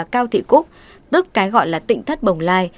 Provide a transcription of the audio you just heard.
cao thị cúc tức cái gọi là tịnh thất bồng lai